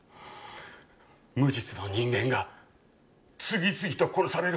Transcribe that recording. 無実の人間が次々と殺される。